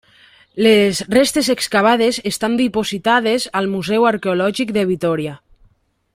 Les restes excavades estan dipositades al Museu Arqueològic de Vitòria.